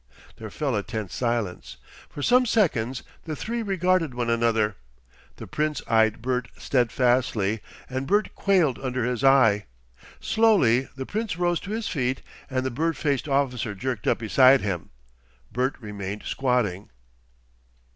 There fell a tense silence. For some seconds the three regarded one another. The Prince eyed Bert steadfastly, and Bert quailed under his eye. Slowly the Prince rose to his feet and the bird faced officer jerked up beside him. Bert remained squatting.